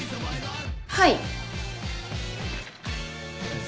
はい。